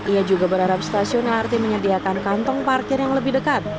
ia juga berharap stasiun lrt menyediakan kantong parkir yang lebih dekat